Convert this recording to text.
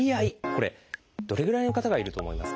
これどれぐらいの方がいると思いますか？